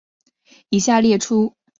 以下列出那些热带气旋的资料。